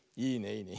いいね。